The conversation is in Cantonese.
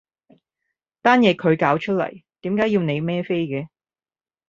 單嘢佢搞出嚟，點解要你孭飛嘅？